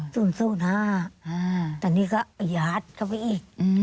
ตอนนี้ก็อายัดเข้าไปอีก